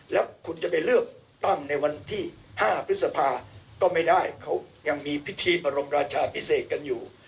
แล้วคุณจะไปเลือกตั้งในวันที่๕พฤษภาก็ไม่ได้เขายังมีพิธีบรมราชาพิเศษกันอยู่